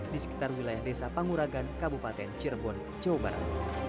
di sekitar wilayah desa panguragan kabupaten cirebon jawa barat